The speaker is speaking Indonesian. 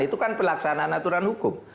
itu kan pelaksanaan aturan hukum